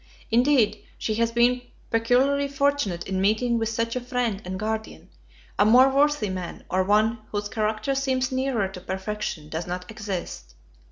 Indeed she has been peculiarly fortunate in meeting with such a friend and guardian; a more worthy man, or one whose character seems nearer to perfection, does not exist.